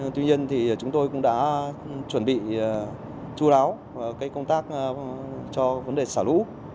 tuy nhiên thì chúng tôi cũng đã chuẩn bị chú đáo công tác cho vấn đề xả lũ